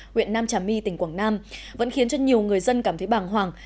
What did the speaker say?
huyện nam trà my tỉnh quảng nam vẫn khiến cho nhiều người dân cảm thấy bàng hoàng